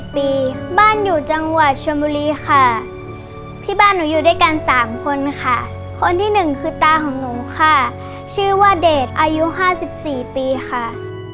พี่บ้านหนูอยู่ด้วยกัน๓คนคนที่หนึ่งคือตาของหนูค่ะชื่อว่าเดทอายุ๕๔ปีค่ะ